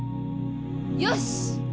よし！